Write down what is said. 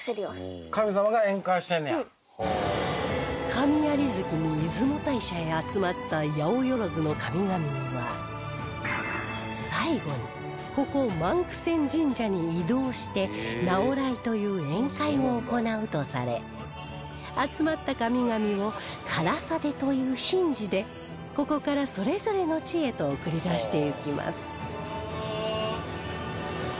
神在月に出雲大社へ集まったやおよろずの神々は最後にここ万九千神社に移動して直会という宴会を行うとされ集まった神々を神等去出という神事でここからそれぞれの地へと送り出していきます